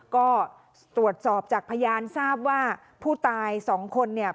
ก็ตรวจสอบจากพยานทราบว่าผู้ตายสองคนเนี่ย